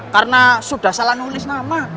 karena sudah salah nulis nama